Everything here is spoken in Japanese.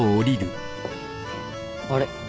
あれ？